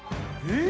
え？